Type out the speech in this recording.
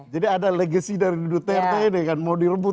jadi ada legacy dari duterte ini kan mau direbut